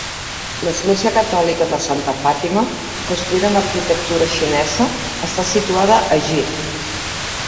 L'església catòlica de Santa Fàtima, construïda amb arquitectura xinesa, està situada a JI.